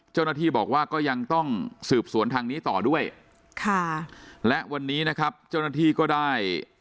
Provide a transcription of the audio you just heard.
เจ้าหน้าที่บอกว่าก็ยังต้องสืบสวนทางนี้ต่อด้วยค่ะและวันนี้นะครับเจ้าหน้าที่ก็ได้